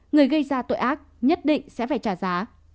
người gây ra tội ác nhất định sẽ phải trả giá